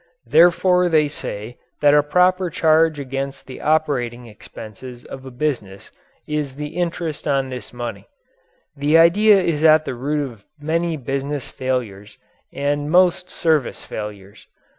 Therefore they say that a proper charge against the operating expenses of a business is the interest on this money. This idea is at the root of many business failures and most service failures.